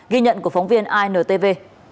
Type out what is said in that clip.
ghi nhận của phóng viên intv